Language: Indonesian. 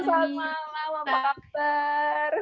selamat malam apa kabar